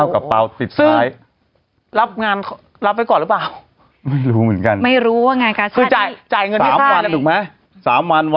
การเสิร์ฐอ่อโหนี่ไงเห็นแล้ว